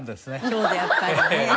そうねやっぱりね。